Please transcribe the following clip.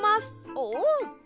おう！